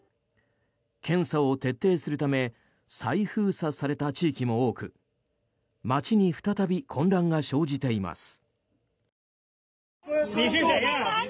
検査を徹底するため再封鎖された地域も多く街に再び混乱が生じています。